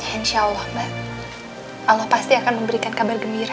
insya allah mbak allah pasti akan memberikan kabar gembira